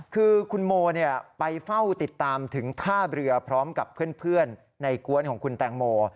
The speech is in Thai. คือคุณโมไปเฝ้าติดตามถึงท่าเรือพร้อมกับเพื่อนในกวนของคุณแตงโม